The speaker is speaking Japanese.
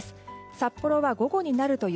札幌は午後になると雪。